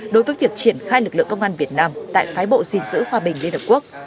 đối với việc triển khai lực lượng công an việt nam tại phái bộ dình giữ hòa bình liên hợp quốc